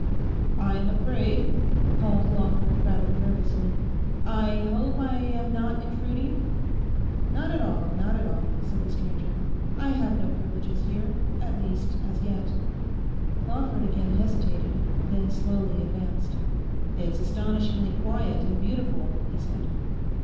'I am afraid,' called Lawford rather nervously—'I hope I am not intruding?' 'Not at all, not at all,' said the stranger. 'I have no privileges here; at least as yet.' Lawford again hesitated, then slowly advanced. 'It's astonishingly quiet and beautiful,' he said.